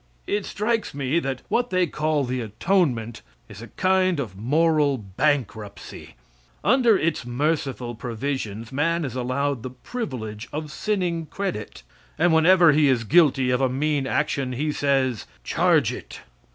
It strikes me that what they call the atonement is a kind of moral bankruptcy. Under its merciful provisions man is allowed the privilege of sinning credit, and whenever he is guilty of a mean action he says, "Charge it."